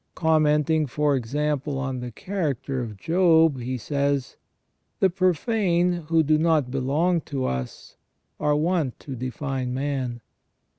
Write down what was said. Commenting, for example, on the character of Job, he says :" The profane who do not belong to us are wont to define man.